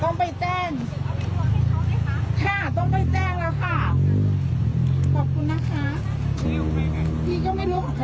ต้องไปแจ้งต้องไปแจ้งแล้วค่ะขอบคุณนะคะพี่ก็ไม่รู้ค่ะ